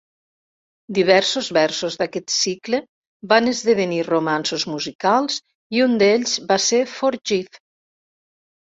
Diversos versos d"aquest cicle van esdevenir romanços musicals i un d"ells va ser Forgive!